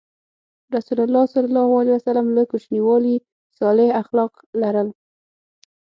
رسول الله ﷺ له کوچنیوالي صالح اخلاق لرل.